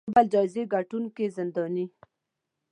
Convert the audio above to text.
نوبل جایزې ګټونکې زنداني